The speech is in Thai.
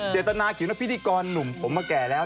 เจตนาเขียนว่าพิธีกรหนุ่มผมมาแก่แล้ว